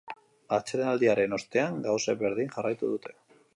Atsedenaldiaren ostean gauzek berdin jarraitu dute.